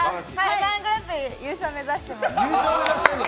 「Ｍ−１グランプリ」優勝目指しています。